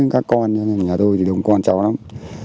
các con nhà tôi thì đông con cháu lắm